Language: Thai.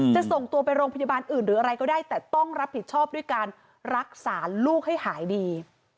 จะส่งตัวไปโรงพยาบาลอื่นหรืออะไรก็ได้แต่ต้องรับผิดชอบด้วยการรักษาลูกให้หายดี